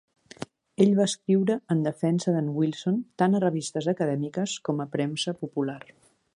Ell va escriure en defensa d'en Wilson tant a revistes acadèmiques com a premsa popular.